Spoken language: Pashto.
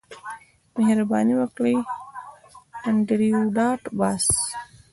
مهرباني وکړه انډریو ډاټ باس